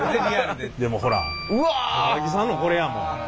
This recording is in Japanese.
でもほら高木さんのこれやもん。